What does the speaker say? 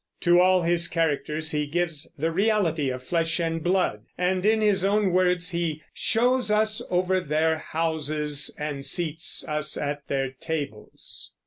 To all his characters he gives the reality of flesh and blood, and in his own words he "shows us over their houses and seats us at their tables."